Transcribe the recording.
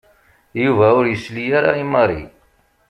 Yuba ur yesli ara i Mary.